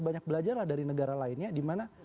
banyak belajar lah dari negara lainnya dimana